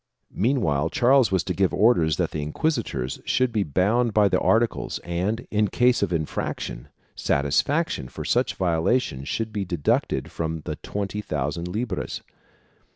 Meanwhile Charles was to give orders that the inquisitors should be bound by the articles and, in case of infraction, satisfaction for such violations should be deducted from the twenty thousand libras.